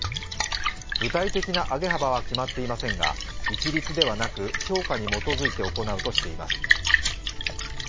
具体的な上げ幅は決まっていませんが一律ではなく、評価に基づいて行うとしています。